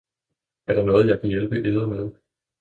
Er der noget, jeg kan hjælpe eder med!